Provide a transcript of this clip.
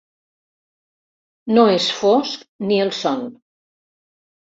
No és fosc ni el son.